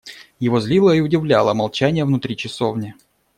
Его злило и удивляло молчание внутри часовни.